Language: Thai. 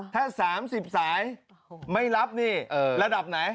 ถ้า๓๐สายไม่รับนี่ระดับไหน